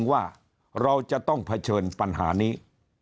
คือจริงว่าเราจะต้องเผชิญปัญหานี้